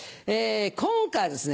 今回はですね